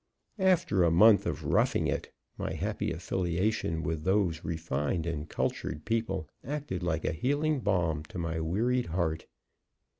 After a month of "roughing it," my happy affiliation with those refined and cultured people acted like a healing balm to my wearied heart.